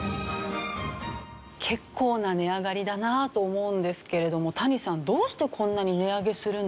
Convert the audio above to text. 結構な値上がりだなと思うんですけれども谷さんどうしてこんなに値上げするんだと思いますか？